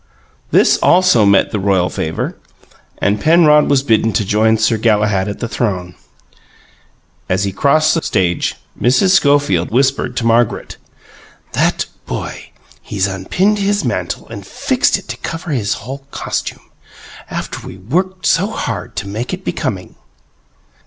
This also met the royal favour, and Penrod was bidden to join Sir Galahad at the throne. As he crossed the stage, Mrs. Schofield whispered to Margaret: "That boy! He's unpinned his mantle and fixed it to cover his whole costume. After we worked so hard to make it becoming!"